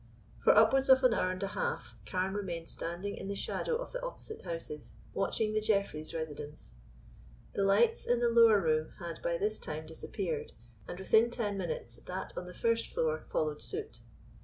For upwards of an hour and a half Carne remained standing in the shadow of the opposite houses, watching the Jeffrey's residence. The lights in the lower room had by this time disappeared and within ten minutes that on the first floor followed suit.